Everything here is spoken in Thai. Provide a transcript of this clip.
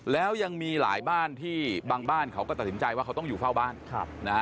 แล้วยังมีหลายบ้านที่บางบ้านเขาก็ตัดสินใจว่าเขาต้องอยู่เฝ้าบ้านนะฮะ